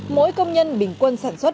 mỗi công nhân bình quân sản xuất